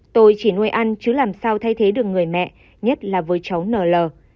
tôi chỉ nuôi ăn chứ làm sao thay thế được người mẹ nhất là với cháu n l